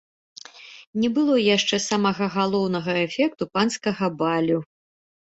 Не было яшчэ самага галоўнага эфекту панскага балю.